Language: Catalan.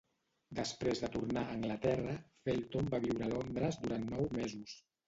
Després de tornar a Anglaterra, Felton va viure a Londres durant nou mesos.